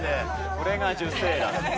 これが受精卵です。